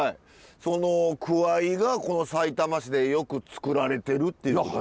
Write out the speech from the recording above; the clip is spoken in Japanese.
そのくわいがこのさいたま市でよく作られてるっていう。